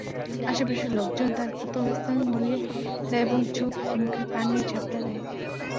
আশে-পাশের লোকজন তার ক্ষত স্থান ধুয়ে দেয় এবং চোখ-মুখে পানির ঝাপটা দেয়।